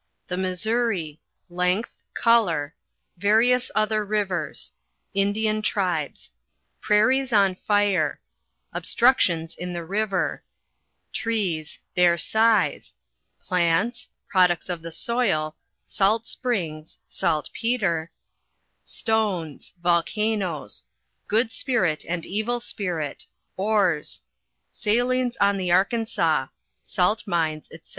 T&? Missouri Lergth Color Variovs ether river* Indi an tribes Prainrs on fire Glstmrtions in Ike river Trees thiir size ^Plantx Products rf the soil Salt Springs Salt pet re Stones Volcancei Good Spirit and Evil Spirit Oar* (Salines on the Arkansas) Salt Mines, fyc.